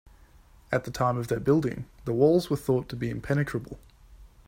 At the time of their building, the walls were thought to be impenetrable.